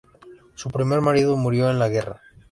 Su primer marido murió en la guerra.